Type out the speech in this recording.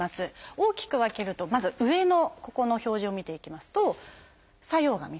大きく分けるとまず上のここの表示を見ていきますと作用が３つ。